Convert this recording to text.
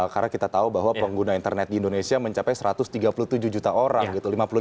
karena kita tahu bahwa pengguna internet di indonesia mencapai satu ratus tiga puluh tujuh juta orang gitu